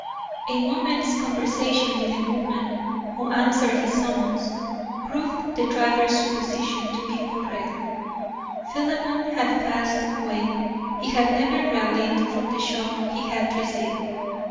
A moment's conversation with the woman who answered his summons proved the driver's supposition to be correct. Philemon had passed away. He had never rallied from the shock he had received.